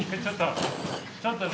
ちょっと。